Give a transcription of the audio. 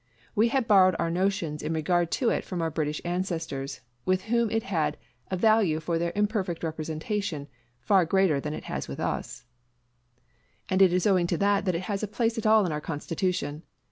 We had borrowed our notions in regard to it from our British ancestors, with whom it had a value for their imperfect representation far greater than it has with us; and it is owing to that that it has a place at all in our Constitution.